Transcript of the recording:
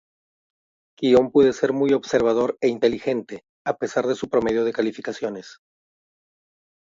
Kyon puede ser muy observador e inteligente, a pesar de su promedio de calificaciones.